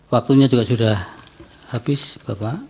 waktunya juga sudah habis bapak